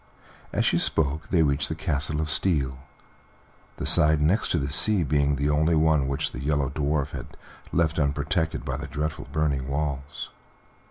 As she spoke they reached the Castle of Steel, the side next the sea being the only one which the Yellow Dwarf had left unprotected by the dreadful burning walls.